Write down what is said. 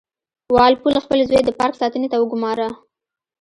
وال پول خپل زوی د پارک ساتنې ته وګوماره.